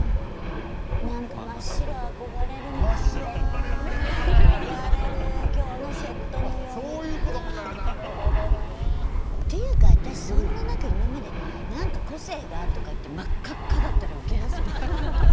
なるほどな。っていうか私そんな今まで「何か個性が」とか言って真っ赤っかだったらウケますよね。